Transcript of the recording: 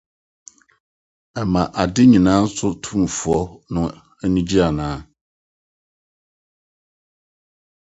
ɛma ade nyinaa so Tumfoɔ no ani gye anaa